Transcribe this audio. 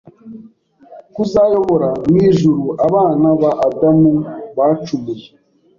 kuzayobora mu ijuru abana ba Adamu bacumuye,